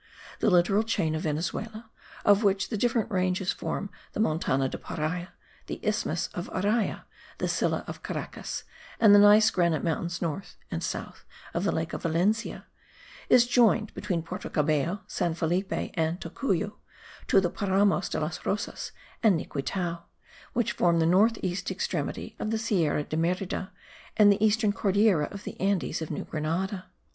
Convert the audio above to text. The littoral chain of Venezuela, of which the different ranges form the Montana de Paria, the isthmus of Araya, the Silla of Caracas and the gneiss granite mountains north and south of the lake of Valencia, is joined between Porto Cabello, San Felipe and Tocuyo to the Paramos de las Rosas and Niquitao, which form the north east extremity of the Sierra de Merida, and the eastern Cordillera of the Andes of New Grenada.